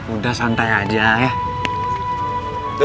udah santai aja ya